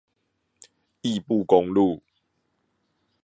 義布公路